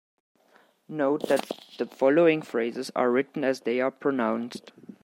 Note that the following phrases are written as they are pronounced.